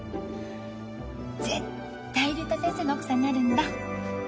絶対竜太先生の奥さんになるんだ。